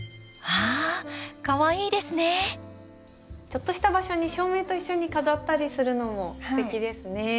ちょっとした場所に照明と一緒に飾ったりするのもすてきですね。